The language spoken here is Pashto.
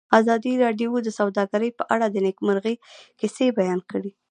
ازادي راډیو د سوداګري په اړه د نېکمرغۍ کیسې بیان کړې.